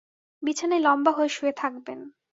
বিছানায় লম্বা হয়ে শুয়ে থাকবেন।